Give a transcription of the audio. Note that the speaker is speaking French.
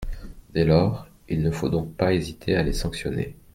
Dès lors, il ne faut donc pas hésiter à les sanctionner.